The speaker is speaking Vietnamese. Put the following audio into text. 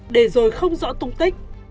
để rồi không rõ tung tích